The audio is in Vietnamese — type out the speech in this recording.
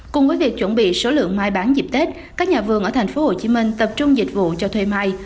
cùng với việc chuẩn bị số lượng mai bán dịp tết các nhà vườn ở thành phố hồ chí minh tập trung dịch vụ cho thuê mai